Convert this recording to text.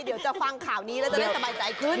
เดี๋ยวจะฟังข่าวนี้แล้วจะได้สบายใจขึ้น